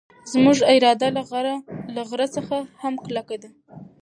زموږ اراده له غره څخه هم کلکه ده.